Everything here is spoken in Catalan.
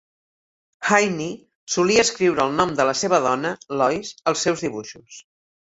Haynie solia escriure el nom de la seva dona, Lois, als seus dibuixos.